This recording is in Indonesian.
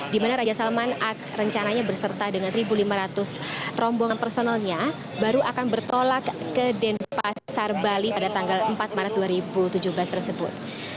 di mana raja salman rencananya berserta dengan satu lima ratus rombongan personalnya baru akan bertolak ke denpasar bali pada tanggal empat maret dua ribu tujuh belas tersebut